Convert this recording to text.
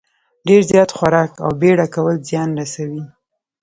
ډېر زیات خوراک او بېړه کول زیان رسوي.